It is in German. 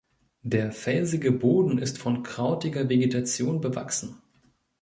Die felsige Boden ist von krautiger Vegetation bewachsen.